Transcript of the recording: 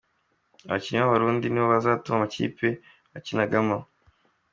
Abakinnyi b’Abarundi nibo bazatunga amakipe bakinagamo.